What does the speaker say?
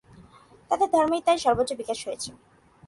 তাদের ধর্মের তাই সর্বোচ্চ বিকাশ হয়েছে।